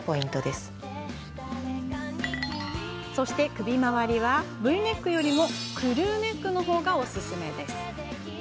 首回りは、Ｖネックよりもクルーネックの方がおすすめ。